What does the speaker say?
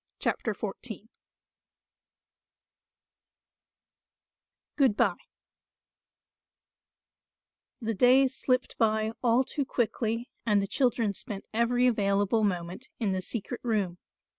CHAPTER XIV GOOD BYE The days slipped by all too quickly and the children spent every available moment in the secret room.